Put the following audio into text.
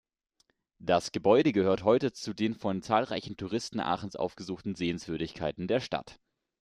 Das Gebäude gehört heute zu den von zahlreichen Touristen Aachens aufgesuchten Sehenswürdigkeiten der Stadt.